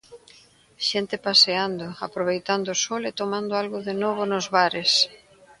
Xente paseando, aproveitando o sol e tomando algo de novo nos bares.